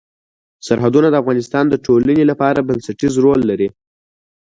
سرحدونه د افغانستان د ټولنې لپاره بنسټيز رول لري.